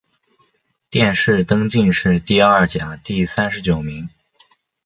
殿试登进士第二甲第三十九名。